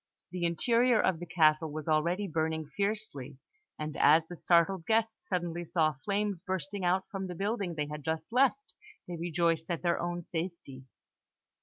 The interior of the castle was already burning fiercely; and as the startled guests suddenly saw flames bursting out from the building they had just left, they rejoiced at their own safety.